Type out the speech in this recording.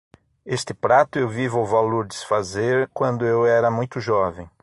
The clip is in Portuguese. Este prato eu vi vovó Lourdes fazer quando eu era muito jovem.